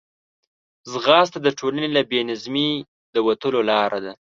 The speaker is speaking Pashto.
ځغاسته د ټولنې له بې نظمۍ د وتلو لار ده